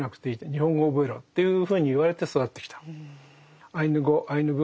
日本語を覚えろ」っていうふうに言われて育ってきた。